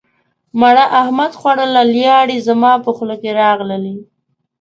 مڼه احمد خوړله لیاړې زما په خوله کې راغللې.